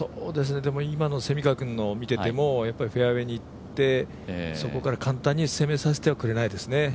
今の蝉川君のを見ていてもフェアウエーにいってそこから簡単に攻めさせてはくれないですね。